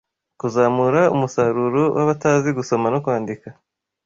Kuzamura umusaruro w'abatazi gusoma no kwandika